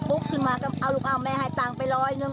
ปุ๊บขึ้นมาเอาลูกเอาแม่ให้ตังไปร้อยหนึ่ง